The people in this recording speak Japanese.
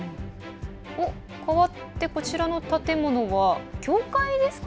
変わって、こちらの建物は教会ですか？